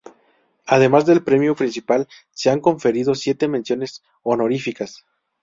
Además del premio principal, se han conferido siete menciones honoríficas.